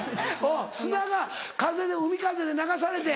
砂が海風で流されて。